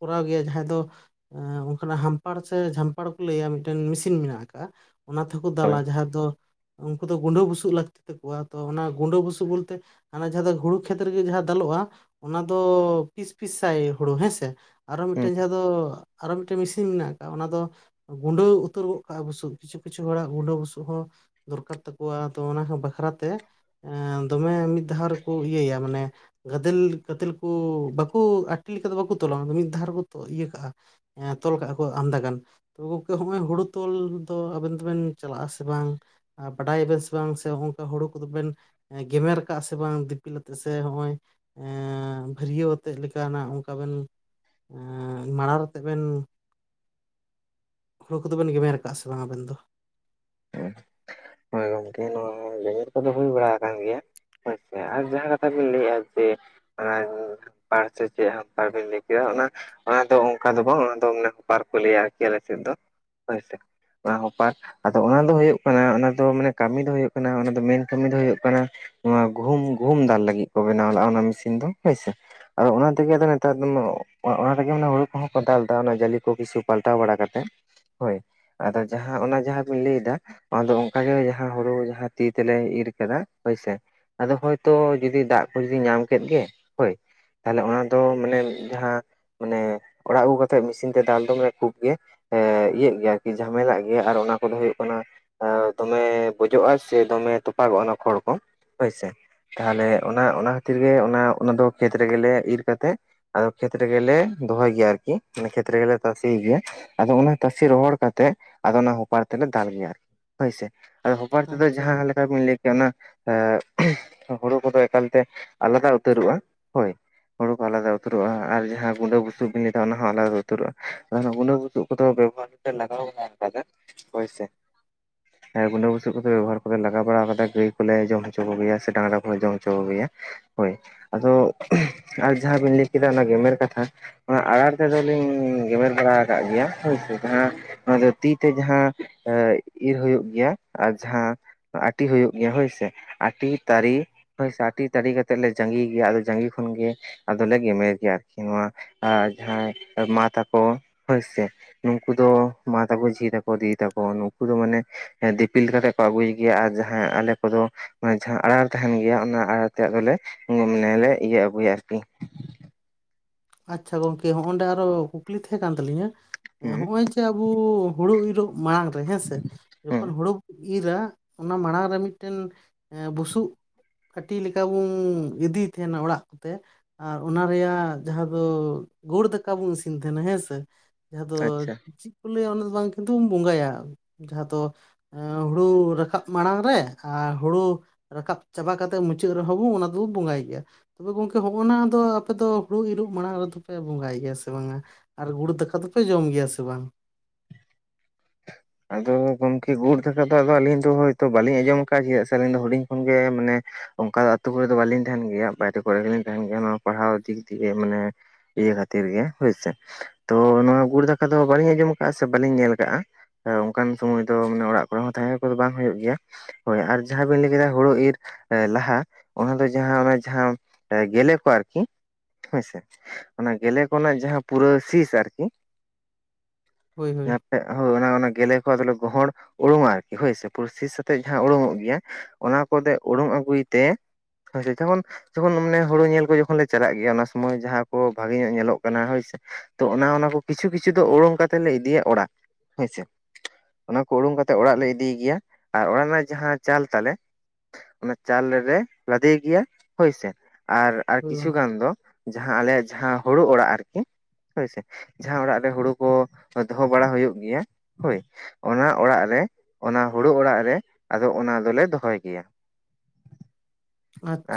ᱠᱚᱨᱟᱣ ᱜᱮᱭᱟ ᱡᱟᱦᱟᱸᱭ ᱫᱚ ᱚᱱᱠᱟᱱᱟᱜᱟᱢ ᱥᱮ ᱡᱷᱟᱢᱯᱟᱲ ᱠᱚ ᱞᱟᱹᱭ ᱟ ᱢᱤᱫᱴᱤᱡ ᱢᱮᱥᱤᱱ ᱢᱮᱱᱟᱜ ᱟᱠᱟᱟᱜᱼᱟ ᱚᱱᱟ ᱛᱮᱦᱚᱸᱠᱚ ᱫᱟᱞᱟ ᱦᱳᱭ ᱡᱟᱦᱟᱸ ᱫᱚ ᱩᱱᱠᱩ ᱫᱚ ᱜᱩᱸᱰᱟᱹ ᱵᱩᱥᱩ ᱞᱟᱹᱠᱛᱤ ᱛᱟᱠᱚᱣᱟ ᱛᱚ ᱚᱱᱟ ᱜᱩᱰᱟᱹ ᱵᱩᱥᱩᱵ ᱵᱚᱞᱛᱮ ᱦᱟᱱᱟ ᱡᱟᱦᱟᱸ ᱫᱚ ᱦᱩᱲᱩ ᱠᱷᱮᱛ ᱨᱮᱜᱮ ᱡᱟᱦᱟᱸ ᱫᱟᱞᱚᱜᱼᱟ ᱚᱱᱟ ᱫᱚ ᱯᱤᱥ ᱯᱤᱥ ᱥᱟᱭ ᱦᱩᱲᱩ ᱦᱮᱸᱥᱮ ᱟᱨᱚ ᱦᱩᱸ ᱢᱤᱫᱴᱮᱱ ᱡᱟᱦᱟᱸ ᱫᱚ ᱟᱨᱚ ᱢᱤᱫᱴᱮᱱ ᱢᱮᱥᱤᱱ ᱢᱮᱱᱟᱜ ᱚᱱᱟ ᱫᱚ ᱜᱩᱸᱰᱟᱹᱣ ᱩᱛᱟᱹᱨ ᱜᱚᱫ ᱠᱟᱜᱼᱟ ᱵᱩᱥᱩ ᱠᱤᱪᱷᱩ ᱠᱤᱪᱷᱩ ᱦᱚᱲᱟᱜ ᱜᱩᱸᱟᱹ ᱵᱩᱥᱩ ᱦᱚᱸ ᱫᱚᱨᱠᱟᱨ ᱛᱟᱠᱚᱣᱟ ᱟᱫᱚ ᱚᱱᱟ ᱵᱟᱠᱷᱨᱟᱛᱮ ᱮ ᱫᱚᱢᱮ ᱢᱤᱫ ᱫᱷᱟᱣ ᱨᱮᱠᱚ ᱤᱭᱟᱹᱭᱟ ᱢᱟᱱᱮ ᱜᱟᱫᱮᱞ ᱜᱟᱫᱮᱞ ᱠᱚ ᱵᱟᱠᱚ ᱟᱴᱤ ᱞᱮᱠᱟ ᱫᱚ ᱵᱟᱠᱚ ᱛᱚᱞᱣᱟ ᱢᱤᱫ ᱫᱷᱟᱣ ᱨᱮᱠᱚ ᱤᱭᱟᱹ ᱠᱟᱜᱼᱟ ᱦᱮᱸ ᱛᱚᱞ ᱠᱟᱜ ᱠᱚ ᱟᱢᱫᱟ ᱜᱟᱱ ᱛ ᱜᱚᱝᱠᱮ ᱦᱚᱸᱜᱚᱭ ᱦᱩᱲᱩ ᱛᱚᱞ ᱫᱚ ᱟᱵᱮᱱ ᱫᱚᱵᱮᱱ ᱪᱟᱞᱟᱜ ᱟ ᱥᱮ ᱵᱟᱝ ᱵᱟᱰᱟᱭᱟ ᱵᱮᱱ ᱥᱮ ᱵᱟᱝ ᱥᱮ ᱚᱱᱠᱟ ᱦᱩᱲᱩ ᱠᱚᱫᱚᱵᱮᱱ ᱜᱮᱢᱮᱨ ᱠᱟᱜ ᱟ ᱥᱮ ᱵᱟᱝ ᱫᱤᱯᱤᱞ ᱟᱛᱮᱜ ᱥᱮ ᱱᱚᱜᱼᱚᱭ ᱵᱷᱟᱹᱨᱭᱟᱹᱣ ᱟᱛᱮᱫ ᱞᱮᱠᱟᱱᱟᱜ ᱚᱱᱠᱟ ᱵᱮᱱ ᱢᱟᱲᱟᱝ ᱟᱛᱮ ᱵᱮᱱ ᱦᱩᱲᱩ ᱠᱚᱫᱚ ᱵᱤᱱ ᱜᱮᱢᱮᱨ ᱟᱠᱟᱫᱼᱟ ᱥᱮ ᱵᱟᱝ ᱟᱵᱮᱱ ᱫᱚ ᱦᱳᱭ ᱜᱚᱝᱠᱮ ᱱᱚᱣᱟ ᱜᱮᱢᱮᱨ ᱠᱚᱫᱚ ᱦᱩᱭ ᱵᱟᱲᱟ ᱟᱠᱟᱱ ᱜᱮᱭᱟ ᱟᱪᱪᱷᱟ ᱟᱨ ᱡᱟᱦᱟᱸ ᱠᱟᱛᱷᱟ ᱵᱤᱱ ᱞᱟᱹᱭᱮᱜᱼᱟ ᱡᱮ ᱯᱟᱲ ᱥᱮ ᱪᱮᱫ ᱦᱟᱱᱛᱟᱲ ᱵᱤᱱ ᱞᱟᱹᱭ ᱠᱮᱫᱟ ᱚᱱᱟ ᱚᱱᱟᱫᱚ ᱚᱱᱠᱟ ᱫᱚ ᱵᱟᱝ ᱚᱱᱟ ᱫᱚ ᱦᱚᱯᱟᱨ ᱠᱚ ᱞᱟᱹᱭᱟ ᱟᱨᱠᱤ ᱟᱞᱮ ᱥᱮᱫ ᱫᱚ ᱦᱚᱭ ᱥᱮ ᱚᱱᱟ ᱦᱚᱯᱟᱨ ᱟᱫᱚ ᱚᱱᱟ ᱫᱚ ᱦᱳᱭᱳᱜ ᱠᱟᱱᱟ ᱚᱱᱟ ᱫᱚ ᱢᱟᱱᱮ ᱠᱟᱹᱢᱤ ᱫᱚ ᱦᱳᱭᱳᱜ ᱠᱟᱱᱟ ᱚᱱᱟ ᱫᱚ ᱢᱮᱱ ᱠᱟᱹᱢᱤ ᱫᱚ ᱦᱳᱭᱳᱜ ᱠᱟᱱᱟ ᱱᱚᱣᱟ ᱜᱩᱦᱩᱢ ᱜᱩᱦᱩᱢ ᱫᱟᱞ ᱞᱟᱹᱜᱤᱫ ᱠᱚ ᱵᱮᱱᱟᱣ ᱞᱟᱜᱼᱟ ᱚᱱᱟ ᱢᱮᱥᱤᱱ ᱫᱚ ᱦᱳᱭᱥᱮ ᱟᱫᱚ ᱚᱱᱟ ᱛᱮᱜᱮᱫᱚ ᱱᱮᱛᱟᱨ ᱫᱚ ᱚᱱᱟ ᱛᱮᱜᱮ ᱦᱩᱲᱩ ᱠᱚᱦᱚᱸ ᱠᱚ ᱫᱟᱞ ᱮᱫᱟ ᱚᱱᱟ ᱡᱟᱞᱤ ᱠᱚ ᱠᱤᱪᱷᱩ ᱯᱟᱞᱴᱟᱣ ᱵᱟᱲᱟ ᱠᱟᱛᱮᱫ᱾ ᱦᱳᱭ ᱟᱫᱚ ᱡᱟᱦᱟᱸ ᱚᱱᱟ ᱡᱟᱦᱟᱸᱼᱼ ᱞᱟᱹᱭ ᱮᱫᱟ ᱚᱱᱟ ᱫᱚ ᱚᱱᱠᱟᱜᱮ ᱡᱟᱦᱟᱸ ᱦᱩᱲᱩ ᱡᱟᱦᱟᱸ ᱛᱤ ᱛᱮᱞᱮ ᱤᱨ ᱟᱠᱟᱫᱟ ᱦᱳᱭᱥᱮᱼᱼ ᱟᱫᱚ ᱦᱳᱭᱛᱚ ᱡᱩᱫᱤ ᱫᱟᱜ ᱠᱚ ᱡᱩᱫᱤ ᱧᱟᱢ ᱠᱮᱫ ᱜᱮ ᱦᱳᱭᱼᱼ ᱛᱟᱦᱞᱮ ᱚᱱᱟ ᱫᱚ ᱢᱟᱱᱮ ᱡᱟᱦᱟᱸ ᱢᱟᱱᱮ ᱚᱲᱟᱜ ᱟᱜᱩ ᱠᱟᱛᱮᱜ ᱢᱮᱥᱤᱱ ᱛᱮ ᱫᱟᱞ ᱫᱚ ᱠᱷᱩᱵ ᱜᱮᱼᱼ ᱮ ᱤᱭᱟᱹᱜ ᱜᱮᱭᱟ ᱟᱨᱠᱤ ᱡᱷᱟᱢᱮᱞᱟᱜ ᱜᱮᱭᱟ ᱟᱨ ᱚᱱᱟ ᱠᱚᱫᱚ ᱦᱩᱭᱩᱜ ᱠᱟᱱᱟᱼᱼ ᱫᱚᱢᱮ ᱵᱚᱡᱚᱜᱼᱟ ᱥᱮ ᱫᱚᱢᱮ ᱛᱚᱯᱟᱜᱚᱜᱼᱟ ᱚᱱᱟ ᱠᱷᱚᱲ ᱠᱚ ᱦᱳᱭᱥᱮ ᱛᱟᱦᱚᱞᱮ ᱚᱱᱟ ᱚᱱᱟ ᱠᱷᱟᱛᱤᱨ ᱜᱮ ᱚᱱᱟ ᱫᱚ ᱠᱷᱮᱛ ᱨᱮᱜᱮᱞᱮ ᱤᱨ ᱠᱟᱛᱮᱜᱼᱼ ᱟᱫᱚ ᱠᱷᱮᱛ ᱨᱮᱜᱮᱞᱮ ᱫᱚᱦᱚᱭ ᱜᱮᱭᱟ ᱟᱨᱠᱤ ᱢᱟᱱᱮ ᱠᱷᱮᱛ ᱨᱮᱜᱮᱞᱮ ᱛᱟᱥᱮ ᱜᱮᱭᱟ᱾ ᱟᱫᱚ ᱚᱱᱟ ᱛᱟᱥᱮ ᱨᱚᱦᱚᱲ ᱠᱟᱛᱮᱜ ᱟᱫᱚ ᱚᱱᱟᱼᱼ ᱦᱚᱯᱟᱨ ᱛᱮᱞᱮ ᱫᱟᱞ ᱜᱮᱭᱟ ᱟᱨᱠᱤ ᱦᱳᱭ ᱥᱮ ᱟᱫᱚ ᱦᱚᱯᱟᱨ ᱛᱮᱫᱚ ᱟᱪᱪᱷᱟ ᱜᱚᱝ ᱡᱟᱦᱟᱸ ᱞᱮᱠᱟᱵᱤᱱ ᱞᱟᱹᱭᱼᱼ ᱚᱱᱟ ᱮ ᱦᱩᱲᱩ ᱠᱚᱫᱚ ᱮᱠᱟᱞᱛᱮ ᱟᱞᱟᱫᱟ ᱩᱛᱟᱹᱨᱚᱜᱼᱟ ᱦᱳᱭ ᱦᱩᱲᱩ ᱠᱚ ᱟᱞᱟᱫᱟ ᱩᱛᱟᱹᱨᱚᱜᱼᱟ ᱟᱨ ᱡᱟᱦᱟᱸ ᱜᱩᱰᱟᱹ ᱵᱩᱥᱩᱵ ᱵᱤᱱ ᱞᱮᱭ ᱮᱫᱟ ᱚᱱᱟ ᱦᱚ ᱟᱞᱟᱫᱟ ᱩᱛᱟᱹᱨᱚᱜᱼᱟ ᱚᱱᱟ ᱜᱩᱰᱟᱹ ᱵᱩᱥᱩᱵ ᱠᱚᱫᱚ ᱵᱮᱵᱚᱦᱟᱨᱼᱼ ᱞᱟᱜᱟᱣ ᱟᱠᱟᱫ-ᱮ ᱦᱳᱭ ᱥᱮ ᱦᱮ ᱜᱩᱰᱟᱹ ᱵᱩᱥᱩᱵ ᱠᱚᱫᱚ ᱵᱮᱵᱚᱦᱟᱨ ᱠᱚᱞᱮ ᱞᱟᱜᱟᱣ ᱵᱟᱲᱟ ᱠᱟᱫᱟ ᱜᱟᱹᱭ ᱠᱚᱞᱮ ᱡᱚᱢ ᱦᱚᱪᱚ ᱠᱚᱜᱮᱭᱟ ᱥᱮ ᱰᱟᱝᱨᱟ ᱠᱚᱞᱮ ᱡᱚᱢ ᱦᱚᱪᱚ ᱠᱚᱜᱮᱭᱟ᱾ ᱦᱳᱭ ᱟᱫᱚ ᱟᱨ ᱡᱟᱦᱟᱸ ᱵᱤᱱ ᱞᱟᱹᱭ ᱠᱮᱫᱟ ᱚᱱᱟ ᱜᱮᱢᱮᱨ ᱠᱟᱛᱷᱟ ᱚᱱᱟ ᱟᱲᱟᱨ ᱛᱮᱫᱚᱞᱤᱧ ᱜᱮᱢᱮᱨ ᱵᱟᱲᱟ ᱟᱠᱟᱫ ᱜᱮᱭᱟ ᱦᱳᱭ ᱥᱮ ᱡᱟᱦᱟᱸ ᱚᱱᱟ ᱫᱚ ᱛᱤᱼᱼ ᱛᱮ ᱡᱟᱦᱟᱸ ᱤᱨ ᱦᱩᱭᱩᱜ ᱜᱮᱭᱟ ᱟᱨ ᱡᱟᱦᱟᱸᱼᱼ ᱟᱴᱤ ᱦᱩᱭᱩᱜ ᱜᱮᱭᱟ ᱦᱳᱭ ᱥᱮ ᱟᱴᱤ ᱛᱟᱲᱤᱼᱼ ᱦᱳᱭ ᱥᱮ ᱟᱴᱤ ᱛᱟᱲᱤ ᱠᱟᱛᱮᱫ ᱞᱮ ᱡᱟᱸᱜᱤ ᱜᱮᱭᱟ ᱟᱫᱚ ᱡᱟᱸᱜᱤ ᱠᱷᱚᱱᱜᱮᱼᱼ ᱟᱫᱚᱞᱮ ᱜᱮᱢᱮᱨ ᱜᱮᱭᱟ ᱟᱨᱠᱤ ᱱᱚᱣᱟ ᱡᱟᱦᱟᱸᱭ ᱢᱟ ᱛᱟᱠᱚ ᱦᱳᱭ ᱥᱮ ᱱᱩᱱᱠᱩ ᱫᱚ ᱢᱟ ᱛᱟᱠᱚ ᱡᱷᱤ ᱫᱤᱫᱤ ᱛᱟᱠᱚ ᱱᱩᱠᱩ ᱫᱚ ᱢᱟᱱᱮ ᱫᱤᱯᱤᱞ ᱠᱟᱛᱮᱜ ᱠᱚ ᱟᱹᱜᱩᱭ ᱜᱮᱭᱟ ᱟᱨ ᱡᱟᱦᱟᱸᱭ ᱟᱞᱮ ᱠᱚᱫᱚᱼᱼ ᱢᱟᱱᱮ ᱡᱟᱦᱟᱸ ᱟᱲᱟᱨ ᱛᱟᱦᱮᱱ ᱜᱮᱭᱟ ᱚᱱᱟ ᱟᱲᱟᱨ ᱛᱮ ᱟᱫᱚᱞᱮ ᱢᱟᱱᱮᱞᱮ ᱤᱭᱟᱹ ᱟᱹᱜᱩᱭᱟ ᱟᱨᱠᱤ ᱟᱪᱪᱷᱟ ᱜᱚᱢᱠᱮ ᱦᱚᱸᱜ ᱚᱰᱮ ᱟᱨᱚ ᱠᱩᱠᱞᱤ ᱛᱟᱦᱮᱸ ᱠᱟᱱ ᱛᱟᱹᱞᱤᱧᱟ ᱦᱩᱸ ᱦᱚᱜᱼ ᱚᱭ ᱡᱮ ᱟᱵᱚ ᱦᱩᱲᱩ ᱤᱨᱚᱜᱼᱼ ᱢᱟᱲᱟᱝ ᱨᱮ ᱦᱮᱸᱥᱮ ᱦᱩᱸ ᱡᱚᱠᱷᱚᱱ ᱦᱩᱲᱩᱼᱼ ᱤᱨᱟ ᱚᱱᱟ ᱢᱟᱲᱟᱝ ᱨᱮ ᱢᱤᱫᱴᱮᱱ ᱵᱩᱥᱩᱵᱼᱼ ᱟᱹᱴᱤ ᱞᱮᱠᱟ ᱵᱚᱱ ᱤᱫᱤᱭ ᱛᱟᱦᱮᱱᱟ ᱚᱲᱟᱜ ᱠᱚᱛᱮ ᱟᱨ ᱚᱱᱟ ᱨᱮᱭᱟᱜ ᱡᱟᱦᱟᱸ ᱫᱚ ᱜᱩᱲ ᱫᱟᱠᱟ ᱵᱚᱱ ᱤᱥᱤᱱ ᱛᱟᱦᱮᱸᱱᱟ ᱦᱮᱸ ᱥᱮ ᱡᱟᱦᱟᱸ ᱫᱚᱼᱼ ᱟᱪᱪᱷᱟ ᱞᱟᱹᱭᱟ ᱟᱠᱚ ᱚᱱᱟ ᱫᱚ ᱵᱟᱝ ᱠᱤᱱᱛᱩᱢ ᱵᱚᱸᱜᱟᱭᱟ ᱡᱟᱦᱟᱸ ᱫᱚᱼᱼ ᱦᱩᱲᱩ ᱨᱟᱠᱟᱵ ᱢᱟᱲᱟᱝ ᱨᱮ ᱟᱨ ᱦᱩᱲᱩᱼᱼ ᱨᱟᱠᱟᱵ ᱪᱟᱵᱟ ᱠᱟᱛᱮᱜ ᱢᱩᱪᱟᱹᱫ ᱨᱮᱦᱚᱸ ᱵᱚᱱ ᱚᱱᱟ ᱫᱚᱵᱚ ᱵᱚᱸᱜᱟᱭ ᱜᱮᱭᱟ ᱛᱚᱵᱮ ᱜᱚᱢᱠᱮ ᱦᱚᱜᱼᱚᱱᱟ ᱫᱚ ᱟᱯᱮ ᱫᱚᱼᱼ ᱦᱩᱲᱩ ᱤᱨᱚᱜ ᱢᱟᱲᱟᱝ ᱨᱮᱫᱚ ᱯᱮ ᱵᱚᱸᱜᱟᱭ ᱜᱮᱭᱟ ᱥᱮ ᱵᱟᱝ-ᱟ? ᱟᱨ ᱜᱩᱲ ᱫᱟᱠᱟ ᱫᱚᱯᱮ ᱡᱚᱢ ᱜᱮᱭᱟ ᱥᱮ ᱵᱟᱝ? ᱟᱫᱚ ᱜᱚᱢᱠᱮ ᱜᱩᱬ ᱫᱟᱠᱟ ᱫᱚ ᱟᱫᱚ ᱟᱞᱤᱧ ᱫᱚ ᱦᱳᱭ ᱛᱚ ᱵᱟᱞᱤᱧ ᱟᱸᱡᱚᱢ ᱠᱟᱜ ᱜᱮᱭᱟ ᱥᱮ ᱟᱞᱤᱧ ᱫᱚ ᱦᱩᱰᱤᱧ ᱠᱷᱚᱱᱜᱮ ᱢᱟᱱᱮᱼᱼ ᱚᱱᱠᱟ ᱫᱚ ᱟᱛᱩ ᱠᱚᱨᱮ ᱫᱚ ᱵᱟᱞᱤᱧ ᱛᱟᱦᱮᱱ ᱜᱮᱭᱟ ᱵᱟᱭᱨᱮ ᱠᱚᱨᱮ ᱜᱮᱞᱤᱧ ᱛᱟᱦᱮᱱ ᱜᱮᱭᱟ ᱱᱚᱣᱟ ᱯᱟᱲᱦᱟᱣ ᱤᱫᱤ ᱠᱟᱛᱮᱫ ᱜᱮ ᱢᱟᱱᱮᱼᱼ ᱤᱭᱟᱹ ᱠᱷᱟᱹᱛᱤᱨ ᱜᱮ ᱦᱳᱭᱥᱮ ᱛᱚ ᱱᱚᱣᱟ ᱜᱩᱲ ᱫᱟᱠᱟ ᱫᱚ ᱵᱟᱞᱤᱧ ᱟᱸᱡᱚᱢ ᱟᱠᱟᱫᱟ ᱥᱮ ᱵᱟᱞᱤᱧ ᱧᱮᱞ ᱟᱠᱟᱫᱟ᱾ ᱚᱱᱠᱟᱱ ᱥᱚᱢᱚᱭ ᱫᱚ ᱢᱟᱱᱮ ᱚᱲᱟᱜ ᱠᱚᱨᱮ ᱦᱚᱸ ᱛᱟᱦᱮᱸ ᱠᱚᱫᱚ ᱵᱟᱝ ᱦᱩᱭᱩᱜ ᱜᱮᱭᱟ ᱦᱳᱭ ᱟᱨ ᱡᱟᱦᱟᱸ ᱵᱤᱱ ᱞᱟᱹᱭ ᱠᱮᱫᱟ ᱦᱩᱲᱩ ᱤᱨᱼᱼ ᱮ ᱞᱟᱦᱟ ᱚᱱᱟ ᱫᱚ ᱡᱟᱦᱟᱸ ᱚᱱᱟ ᱡᱟᱦᱟᱸ ᱜᱮᱞᱮ ᱠᱚ ᱟᱨᱠᱤ ᱦᱳᱭᱥᱮ ᱚᱱᱟ ᱜᱮᱞᱮ ᱠᱚ ᱨᱮᱱᱟᱜ ᱡᱟᱦᱟᱸ ᱯᱩᱨᱟᱹ ᱥᱤᱥ ᱟᱨᱠᱤ ᱦᱳᱭ ᱦᱳᱭ ᱦᱳᱭ ᱚᱱᱟ ᱚᱱᱟ ᱜᱮᱞᱮ ᱠᱚ ᱟᱫᱚᱞᱮ ᱜᱚᱦᱚᱲ ᱩᱰᱩᱝᱼᱟ ᱟᱨᱠᱤ ᱦᱳᱭ ᱥᱮ ᱯᱩᱨᱟᱹ ᱥᱤᱥ ᱟᱛᱮᱫ ᱡᱟᱦᱟᱸ ᱩᱰᱩᱠᱚᱜ ᱜᱮᱭᱟ ᱚᱱᱟ ᱠᱚᱫᱚ ᱩᱰᱩᱠ ᱟᱹᱜᱩᱭ ᱛᱮ ᱦᱳᱭ ᱥᱮ ᱡᱮᱢᱚᱱᱼᱼ ᱡᱚᱠᱷᱚᱱ ᱢᱟᱱᱮ ᱦᱩᱲᱩ ᱧᱮᱞ ᱠᱚ ᱡᱚᱠᱷᱚᱱ ᱞᱮ ᱪᱟᱞᱟᱜ ᱜᱮᱭᱟ ᱚᱱᱟ ᱥᱚᱢᱚᱭ ᱡᱟᱦᱟᱸ ᱠᱚ ᱵᱷᱟᱜᱮ ᱧᱚᱜ ᱧᱮᱞᱚᱜ ᱠᱟᱱᱟ ᱦᱳᱭ ᱥᱮ ᱛᱚ ᱚᱱᱟ ᱚᱱᱟ ᱠᱚ ᱠᱤᱪᱷᱩ ᱠᱤᱪᱷᱩ ᱫᱚ ᱩᱨᱩᱝ ᱠᱟᱛᱮ ᱞᱮ ᱤᱫᱤᱭᱟ ᱚᱲᱟᱜ ᱦᱮᱸ ᱥᱮ᱾ ᱚᱱᱟ ᱠᱚ ᱩᱨᱩᱝ ᱠᱟᱛᱮ ᱚᱲᱟᱜ ᱞᱮ ᱤᱫᱤᱭ ᱜᱮᱭᱟ ᱟᱨ ᱚᱱᱟ ᱨᱮᱱᱟᱜ ᱡᱟᱦᱟᱸ ᱪᱟᱞ ᱛᱟᱞᱮᱼᱼ ᱚᱱᱟ ᱪᱟᱞ ᱞᱮᱨᱮ ᱞᱟᱫᱮ ᱜᱮᱭᱟ ᱦᱳᱭᱥᱮ, ᱟᱨ ᱟᱨ ᱦᱳᱭ ᱠᱤᱪᱷᱩ ᱜᱚᱝᱠᱮ ᱜᱟᱱ ᱫᱚᱼᱼ ᱡᱟᱦᱟᱸ ᱟᱞᱮᱭᱟᱜ ᱡᱟᱦᱟᱸ ᱦᱳᱲᱳ ᱚᱲᱟᱜ ᱟᱨᱠᱤᱼᱼ ᱦᱳᱭᱥᱮ ᱡᱟᱦᱟᱸ ᱚᱲᱟᱜ ᱨᱮ ᱦᱳᱲᱳ ᱠᱚ ᱫᱚᱦᱚ ᱵᱟᱲᱟ ᱦᱳᱭᱳᱜ ᱜᱮᱭᱟ᱾ ᱦᱳᱭ ᱚᱱᱟ ᱚᱲᱟᱜ ᱨᱮ ᱚᱱᱟ ᱦᱳᱲᱳ ᱚᱲᱟᱜ ᱨᱮ ᱟᱫᱚ ᱚᱱᱟ ᱫᱚᱞᱮ ᱫᱚᱦᱚᱭ ᱜᱮᱭᱟ᱾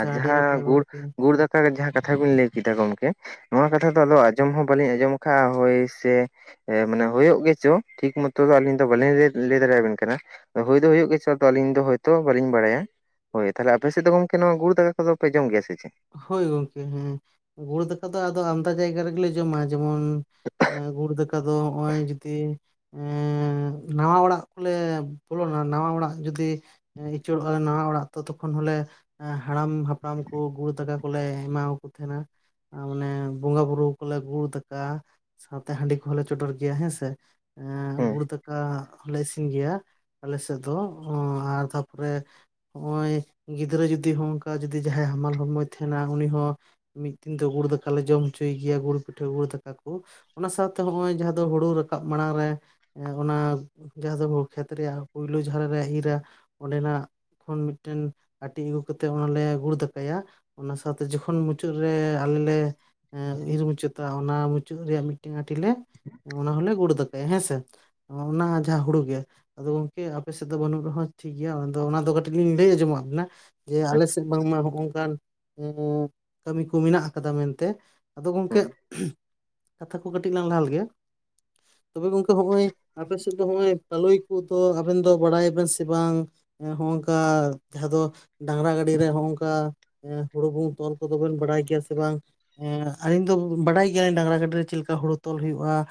ᱟᱨ ᱟᱹᱰᱤ ᱱᱟᱯᱟᱭ ᱡᱟᱦᱟᱸ ᱜᱩ ᱜᱚᱝᱠᱮ ᱜᱩᱲ ᱫᱟ ᱠᱟ ᱜᱮ ᱡᱟᱦᱟᱸ ᱠᱟᱛᱷᱟ ᱵᱤᱱ ᱞᱟᱹᱭ ᱠᱮᱫᱟ ᱜᱚᱝᱠᱮ ᱱᱚᱣᱟ ᱠᱟᱛᱷᱟ ᱫᱚ ᱟᱫᱚ ᱟᱸᱡᱚᱢ ᱦᱚᱸ ᱵᱟᱞᱤᱧ ᱟᱸᱡᱚᱢ ᱟᱠᱟᱫᱼᱟ ᱦᱳᱭ ᱥᱮ ᱾ ᱮ ᱢᱟᱱᱮ ᱦᱳᱭᱳᱜ ᱜᱮ ᱪᱚ ᱴᱷᱤᱠ ᱢᱚᱛᱚ ᱫᱚ ᱟᱹᱞᱤᱧ ᱫᱚ ᱵᱟᱞᱤᱧ ᱞᱟᱹᱭ ᱫᱟᱲᱮᱭᱟ ᱵᱤᱱ ᱠᱟᱱᱟ ᱾ ᱦᱩᱭ ᱫᱚ ᱦᱩᱭᱩᱜ ᱜᱮᱪᱚ ᱟᱞᱤᱧ ᱫᱚ ᱦᱳᱭᱛᱳ ᱵᱟᱹᱞᱤᱧ ᱵᱟᱲᱟᱭᱟ ᱾ ᱦᱳᱭ ᱛᱟᱦᱚᱞᱮ ᱟᱯᱮ ᱥᱮᱫ ᱫᱚ ᱜᱚᱢᱠᱮ ᱱᱚᱣᱟ ᱜᱩᱲ ᱫᱟᱠᱟ ᱠᱚᱫᱚ ᱯᱮ ᱡᱚᱢ ᱜᱮᱭᱟ ᱥᱮ ᱪᱮᱫ? ᱦᱳᱭ ᱜᱚᱝᱠᱮ ᱦᱮᱸ ᱜᱩᱲ ᱫᱟᱠᱟ ᱫᱚ ᱟᱫᱚ ᱟᱢᱫᱟ ᱡᱟᱭᱜᱟ ᱨᱮᱜᱮ ᱞᱮ ᱡᱚᱢᱟ ᱡᱮᱢᱚᱱ ᱮ ᱜᱩᱲ ᱫᱟᱠᱟ ᱫᱚ ᱱᱚᱜᱼᱚᱭ ᱡᱩᱫᱤ [inaudible] ᱮᱸ ᱱᱟᱣᱟ ᱚᱲᱟᱜ ᱠᱚᱞᱮ ᱵᱚᱞᱚᱱᱟ ᱱᱟᱣᱟ ᱚᱲᱟᱜ ᱡᱩᱫᱤ ᱩᱪᱟᱹᱲᱚᱜᱼᱟᱞᱮ ᱱᱟᱣᱟ ᱚᱲᱟᱜ ᱛᱚ ᱛᱚᱠᱷᱚᱱ ᱦᱚᱞᱮ ᱦᱟᱲᱟᱢ ᱦᱟᱯᱲᱟᱢ ᱠᱚ ᱜᱩᱲ ᱫᱟᱠᱟ ᱠᱚᱞᱮ ᱮᱢᱟᱣ-ᱟᱠᱚ ᱛᱟᱸᱦᱮᱱᱟ ᱟᱨ ᱢᱟᱱᱮ ᱵᱚᱸᱜᱟ ᱵᱩᱨᱩ ᱠᱚᱞᱮ ᱜᱩᱲ ᱫᱟᱠᱟ, ᱥᱟᱶᱛᱮ ᱦᱟᱺᱰᱤ ᱠᱚᱦᱚᱸ ᱞᱮ ᱪᱚᱰᱚᱨ ᱜᱮᱭᱟ ᱦᱮᱸᱥᱮ, ᱦᱮᱸ ᱜᱩᱲ ᱫᱟᱠᱟ ᱞᱮ ᱤᱥᱤᱱ ᱜᱮᱭᱟ ᱟᱞᱮ ᱥᱮᱫ ᱫᱚ ᱟᱨ ᱛᱟᱨᱯᱚᱨᱮ ᱦᱚᱸᱜᱼᱚᱭ ᱜᱤᱫᱽᱨᱟᱹ ᱡᱩᱫᱤ ᱦᱚᱜ-ᱱᱚᱝᱠᱟ ᱡᱩᱫᱤ ᱡᱟᱦᱟᱸᱭ ᱦᱟᱢᱟᱞ ᱦᱚᱲᱢᱚᱭ ᱛᱟᱸᱦᱮᱱᱟ ᱩᱱᱤ ᱦᱚᱸ ᱢᱤᱫ ᱫᱤᱱ ᱫᱚ ᱜᱩᱲ ᱫᱟᱠᱟ ᱞᱮ ᱡᱚᱢ ᱦᱚᱪᱚᱭᱮ ᱜᱮᱭᱟ ᱜᱩᱲ ᱯᱤᱴᱷᱟᱹ ᱜᱩᱲ ᱫᱟᱠᱟ ᱠᱚ ᱾ ᱚᱱᱟ ᱥᱟᱶᱛᱮ ᱱᱚᱜ-ᱚᱚᱭ ᱡᱟᱦᱟᱸ ᱫᱚ ᱦᱩᱲᱩ ᱨᱟᱠᱟᱵ ᱢᱟᱲᱟᱝ ᱨᱮ ᱚᱱᱟ ᱡᱟᱦᱟᱸ ᱫᱚ ᱠᱷᱮᱛ ᱨᱮᱭᱟᱜ ᱯᱩᱭᱞᱩ ᱡᱟᱦᱟᱸ ᱨᱮᱞᱮ ᱤᱨᱟ ᱚᱸᱰᱮ ᱱᱟᱜ ᱠᱷᱚᱱ ᱢᱤᱫᱴᱟ. ᱱ ᱟᱸᱴᱤ ᱟᱹᱜᱩ ᱠᱟᱛᱮᱫ ᱚᱱᱟ ᱞᱮ ᱜᱩᱲ ᱫᱟᱠᱟᱭᱟ ᱾ ᱚᱱᱟ ᱥᱟᱶᱛᱮ ᱡᱚᱠᱷᱚᱱ ᱢᱩᱪᱟᱹᱫ ᱨᱮ ᱟᱞᱮ ᱞᱮ ᱤᱨ ᱢᱩᱪᱟᱹᱫᱟ ᱚᱱᱟ ᱢᱩᱪᱟᱹᱫ ᱨᱮᱭᱟᱜ ᱢᱤᱫᱴᱟ. ᱱ ᱟᱸᱴᱤ ᱞᱮ ᱚᱱᱟ ᱦᱚᱞᱮ ᱜᱩᱲ ᱫᱟᱠᱟᱭᱟ ᱦᱮᱸᱥᱮ ᱾ ᱚᱱᱟ ᱡᱟᱦᱟᱸ ᱦᱩᱲᱩ ᱜᱮ ᱾ ᱟᱫᱚ ᱜᱚᱢᱠᱮ ᱟᱯᱮ ᱥᱮᱫ ᱫᱚ ᱵᱟᱹᱱᱩᱜ ᱨᱮᱦᱚᱸ ᱴᱷᱤᱠ ᱜᱮᱭᱟ ᱟᱫᱚ ᱚᱱᱟ ᱫᱚ ᱠᱟᱹᱴᱤᱡ ᱞᱤᱧ ᱞᱟᱹᱭ ᱟᱸᱡᱚᱢᱟᱜ ᱵᱤᱱᱟ᱾ ᱡᱮ ᱟᱞᱮ ᱟᱪᱪᱷᱟ ᱥᱮᱫ ᱵᱟᱝᱢᱟ ᱦᱚᱸᱜᱼ ᱱᱚᱝᱠᱟᱱ ᱠᱟᱹᱢᱤ ᱠᱚ ᱢᱮᱱᱟᱜ ᱟᱠᱟᱫᱟ ᱢᱮᱱ ᱛᱮ ᱟᱫᱚ ᱜᱚᱢᱠᱮ ᱦᱮᱸ ᱠᱟᱛᱷᱟ ᱠᱚ ᱠᱟᱹᱴᱤᱡ ᱞᱟᱝ ᱞᱟᱦᱟ ᱞᱮᱜᱮ ᱛᱚᱵᱮ ᱜᱚᱢᱠᱮ ᱦᱚᱸᱜᱼᱚᱭ ᱟᱯᱮ ᱥᱮᱫ ᱫᱚ ᱱᱚᱜᱼᱚᱭ ᱯᱟᱞᱩᱭ ᱠᱚᱫᱚ ᱟᱵᱤᱱ ᱫᱚ ᱵᱟᱲᱟᱭᱟ ᱵᱤᱱ ᱥᱮ ᱵᱟᱝ? ᱦᱚᱸᱜ-ᱱᱚᱝᱠᱟ ᱡᱟᱦᱟᱸ ᱫᱚ ᱰᱟᱝᱨᱟ ᱜᱟᱹᱰᱤ ᱨᱮᱱ ᱦᱚᱸᱜ-ᱚᱝᱠᱟ ᱦᱩᱲᱩ ᱠᱩ ᱛᱚᱞ ᱠᱚᱫᱚ ᱵᱤᱱ ᱵᱟᱲᱟᱭ ᱜᱮᱭᱟ ᱥᱮ ᱵᱟᱝ? ᱟᱹᱞᱤᱧ ᱫᱚ ᱵᱟᱰᱟᱭ ᱜᱮᱭᱟ ᱞᱤᱧ ᱰᱟᱝᱨᱟ ᱜᱟᱹᱰᱤ ᱨᱮ ᱪᱮᱫ ᱞᱮᱠᱟ ᱦᱩᱲᱩ ᱛᱚᱞ ᱦᱩᱭᱩᱜᱼᱟ ᱾